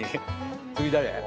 次誰？